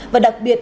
và đặc biệt